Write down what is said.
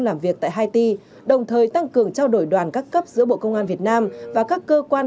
làm việc tại haiti đồng thời tăng cường trao đổi đoàn các cấp giữa bộ công an việt nam và các cơ quan